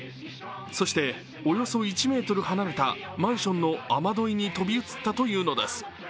そしておよそ１ｍ離れたマンションの雨どいに飛び移ったというのです。